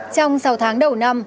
trong sáu tháng đầu năm